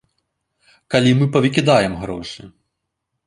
Калі мы павыкідаем грошы.